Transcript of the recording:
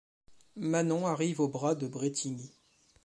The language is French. Manon arrive au bras de Brétigny.